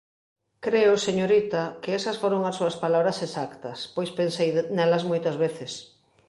Creo, señorita, que esas foron as súas palabras exactas, pois pensei nelas moitas veces.